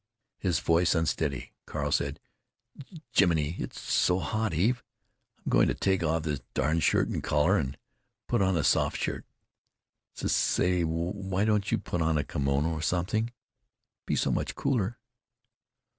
His voice unsteady, Carl said: "Jiminy! it's so hot, Eve! I'm going to take off this darn shirt and collar and put on a soft shirt. S say, w why don't you put on a kimono or something? Be so much cooler."